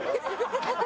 ハハハハ！